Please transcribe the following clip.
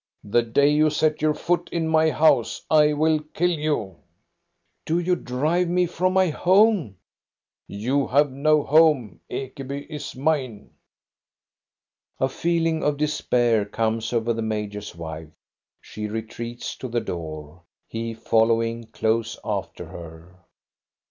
The day you set your foot in my house I will kill you. "" Do you drive me from my home ?"" You have no home. Ekeby is mine." A feeling of despair comes over the major's wife. She retreats to the door, he following close after her.